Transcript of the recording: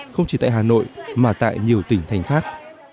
không chỉ tại hà nội mà tại nhiều tỉnh thành khác